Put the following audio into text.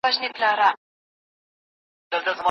چي اسمان ورته نجات نه دی لیکلی